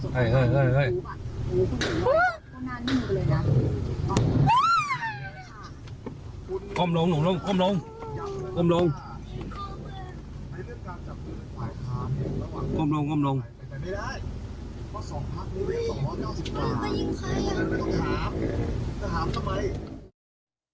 คุณต้องมาถ้าดูรายการของข่าวสมุดประการ